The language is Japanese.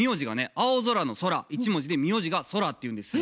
「青空」の「空」一文字で名字が「そら」っていうんですよ。